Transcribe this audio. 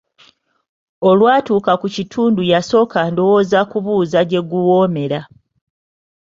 Olwatuuka ku kitundu yasooka ndowooza kubuuza gye guwoomera.